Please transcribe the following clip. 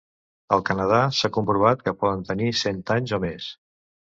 Al Canadà s'ha comprovat que poden tenir cent anys o més.